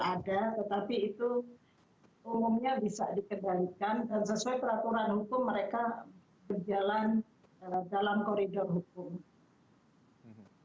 jadi sebenarnya aksi garis kanan memang ada tetapi itu umumnya bisa dikendalikan dan sesuai peraturan hukum mereka berjalan dalam koridor hukum